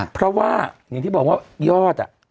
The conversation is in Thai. เพราะว่าอย่างที่บอกว่ายอด